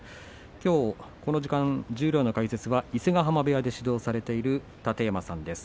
きょう、この時間、十両の解説は伊勢ヶ濱部屋で指導されている楯山さんです。